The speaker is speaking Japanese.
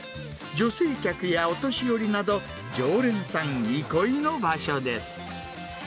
女性客やお年寄りなど、常連さん憩いの場所です。